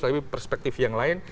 tapi perspektif yang lain